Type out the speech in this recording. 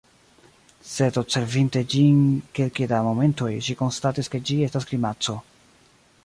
Sed observinte ĝin kelke da momentoj, ŝi konstatis ke ĝi estas grimaco.